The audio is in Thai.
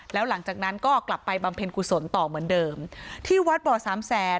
แล้วหลังจากนั้นก็กลับไปบำเพ็ญกุศลต่อเหมือนเดิมที่วัดบ่อสามแสน